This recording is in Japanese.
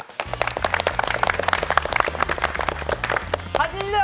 「８時だョ！